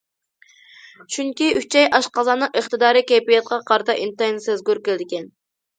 چۈنكى ئۈچەي ئاشقازاننىڭ ئىقتىدارى كەيپىياتقا قارىتا ئىنتايىن سەزگۈر كېلىدىكەن.